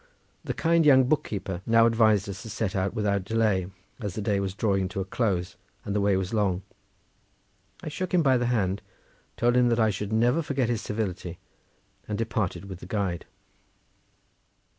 The kind young book keeper now advised us to set out without delay as the day was drawing to a close, and the way was long. I shook him by the hand, told him that I should never forget his civility, and departed with the guide.